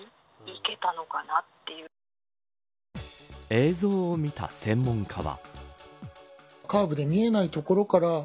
映像を見た専門家は。